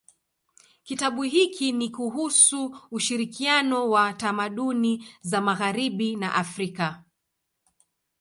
Kitabu hiki ni kuhusu ushirikiano wa tamaduni za magharibi na Afrika.